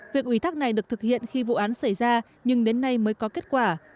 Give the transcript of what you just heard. việc ủy thắc này được thực hiện khi vụ án xảy ra nhưng đến nay mới có kết quả